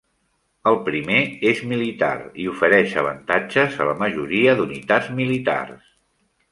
El primer és militar i ofereix avantatges a la majoria d"unitats militars.